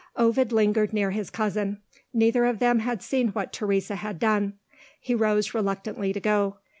Ovid lingered near his cousin: neither of them had seen what Teresa had done. He rose reluctantly to go.